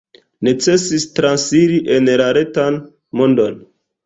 Necesis transiri en la retan mondon.